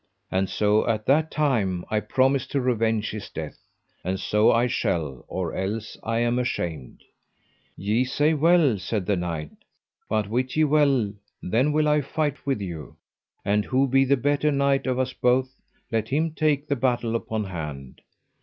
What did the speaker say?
And so at that time I promised to revenge his death, and so I shall or else I am ashamed. Ye say well, said the knight, but wit ye well then will I fight with you, and who be the better knight of us both, let him take the battle upon hand.